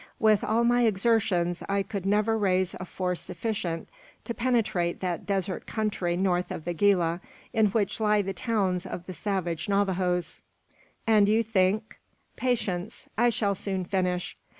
With all my exertions, I could never raise a force sufficient to penetrate that desert country north of the Gila, in which lie the towns of the savage Navajoes." "And you think " "Patience! I shall soon finish.